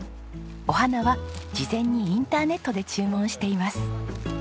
お花は事前にインターネットで注文しています。